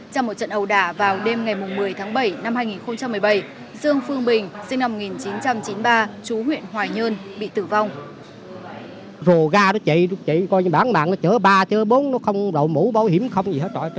trong một trận ẩu đả vào đêm ngày một mươi tháng bảy năm hai nghìn một mươi bảy dương phương bình sinh năm một nghìn chín trăm chín mươi ba chú huyện hoài nhơn bị tử vong